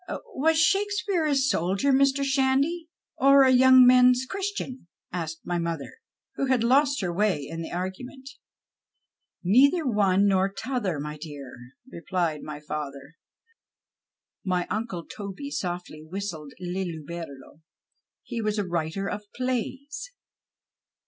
" Was Shakespeare a soldier, Mr. Shandy, or a young men's Christian ?" said my mother, who had lost her way in the argimient. " Neither one nor t'other, my dear," replied my father (my uncle Toby softly whistled " Lilli bullero ");" he was a ^^Titer of plays."